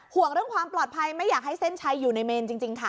ห่วงเรื่องความปลอดภัยไม่อยากให้เส้นชัยอยู่ในเมนจริงค่ะ